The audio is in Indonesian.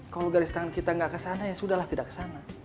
kalau garis tangan kita nggak kesana ya sudah lah tidak kesana